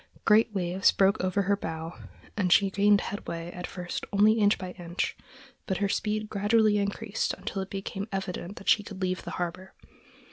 Great waves broke over her bow and she gained headway at first only inch by inch, but her speed gradually increased until it became evident that she could leave the harbor.